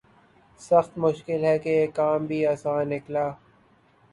سخت مشکل ہے کہ یہ کام بھی آساں نکلا